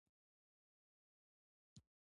ځغاسته د زړه سرور ده